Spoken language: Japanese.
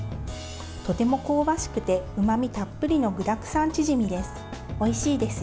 とても香ばしくてうまみたっぷりの具だくさんチヂミです。